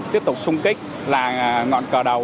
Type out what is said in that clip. tiếp tục sung kích là ngọn cờ đầu